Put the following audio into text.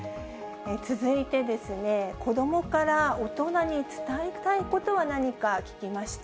続いて、子どもから大人に伝えたいことは何か聞きました。